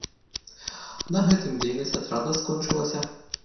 На гэтым дзейнасць атрада скончылася.